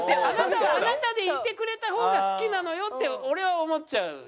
あなたはあなたでいてくれた方が好きなのよって俺は思っちゃう。